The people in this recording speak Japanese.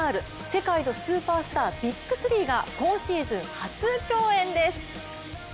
世界のスーパースターＢＩＧ３が今シーズン初共演です。